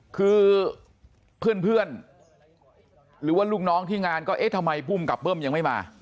คือเพื่อนหรือว่าลูกน้องที่งานก็เอ๊ะทำไมภูมิกับเบิ้มยังไม่มา